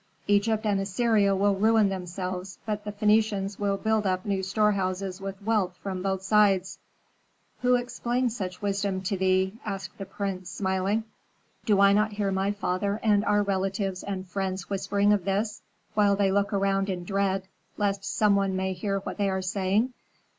Egypt and Assyria will ruin themselves, but the Phœnicians will build up new storehouses with wealth from both sides!" "Who explained such wisdom to thee?" asked the prince, smiling. "Do I not hear my father and our relatives and friends whispering of this, while they look around in dread lest some one may hear what they are saying?